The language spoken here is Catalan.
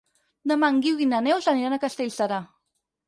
Demà en Guiu i na Neus aniran a Castellserà.